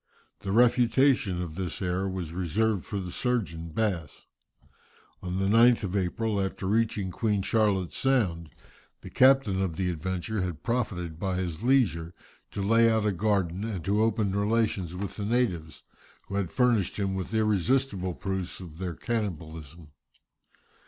The refutation of this error was reserved for the surgeon, Bass. On the 9th of April after reaching Queen's Charlotte's Sound, the captain of the Adventure had profited by his leisure to lay out a garden and to open relations with the natives, who had furnished him with irresistible proofs of their cannibalism.